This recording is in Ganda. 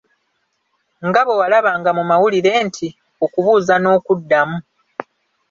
Nga bwe walabanga mu mawulire nti: "Okubuuza n'okuddamu."